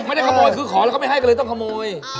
ไม่ได้ขโมยคือขอแล้วก็ไม่ให้ก็เลยต้องขโมย